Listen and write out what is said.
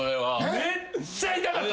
めっちゃ痛かった。